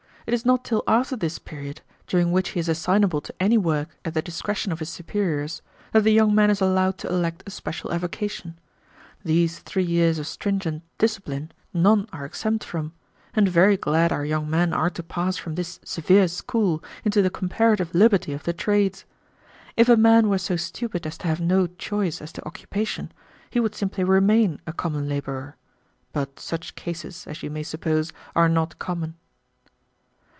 It is not till after this period, during which he is assignable to any work at the discretion of his superiors, that the young man is allowed to elect a special avocation. These three years of stringent discipline none are exempt from, and very glad our young men are to pass from this severe school into the comparative liberty of the trades. If a man were so stupid as to have no choice as to occupation, he would simply remain a common laborer; but such cases, as you may suppose, are not common."